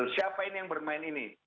siapa ini yang bermain ini